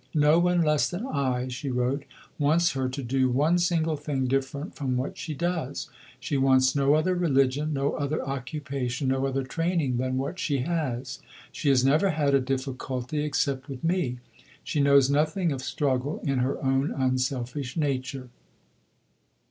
"No one less than I," she wrote, "wants her to do one single thing different from what she does. She wants no other religion, no other occupation, no other training than what she has. She has never had a difficulty except with me; she knows nothing of struggle in her own unselfish nature."